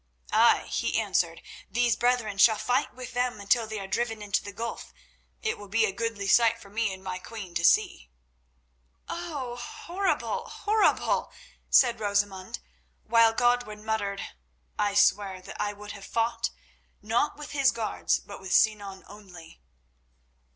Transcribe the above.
"'Ay,' he answered, 'these brethren shall fight with them until they are driven into the gulf. It will be a goodly sight for me and my queen to see.'" "Oh! horrible, horrible!" said Rosamund; while Godwin muttered: "I swear that I would have fought, not with his guards, but with Sinan only."